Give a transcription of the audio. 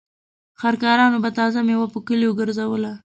خر کارانو به تازه مېوه په کليو ګرځوله.